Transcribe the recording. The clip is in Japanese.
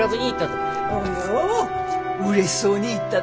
うれしそうに行ったとよ。